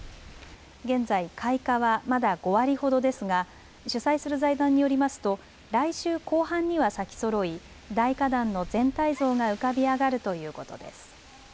現在、開花はまだ５割ほどですが主催する財団によりますと来週後半には咲きそろい大花壇の全体像が浮かび上がるということです。